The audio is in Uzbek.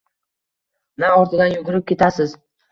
Na ortidan yugurib yetasiz.